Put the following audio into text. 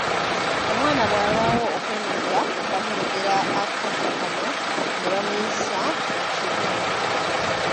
Omwana bwalwawo okwenunula bamunogera akaddo kano ne bamuyisa mu kibungu.